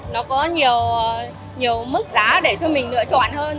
nó có nhiều mức giá để cho mình lựa chọn hơn